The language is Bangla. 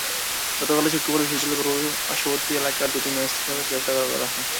গতকাল শুক্রবার বিশ্ববিদ্যালয়ের পার্শ্ববর্তী এলাকার দুটি মেস থেকে তাঁদের গ্রেপ্তার করা হয়।